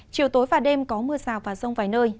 chiều tối và đêm có mưa rào và rông vài nơi